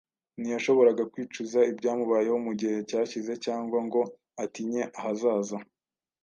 Ntiyashoboraga kwicuza ibyamubayeho mu gihe cyashize cyangwa ngo atinye ahazaza.